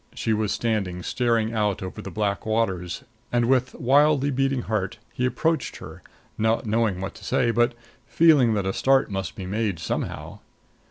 She was standing staring out over the black waters; and, with wildly beating heart, he approached her, not knowing what to say, but feeling that a start must be made somehow.